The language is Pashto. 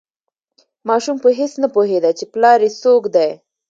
ماشوم په هیڅ نه پوهیده چې پلار یې څوک دی.